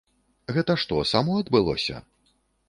Гэта што, само адбылося?